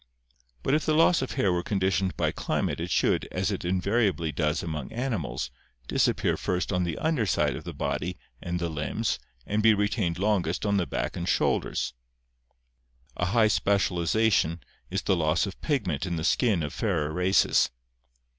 But if the loss of hair were conditioned by climate it should, as it invariably does among animals, disappear first on the under side of the body and the limbs and be retained longest on the back and shoulders." (See, however, page 647). A high specializa tion is the loss of pigment in the skin of fairer races.